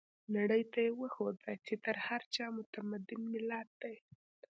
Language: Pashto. نړۍ ته يې وښوده چې تر هر چا متمدن ملت دی.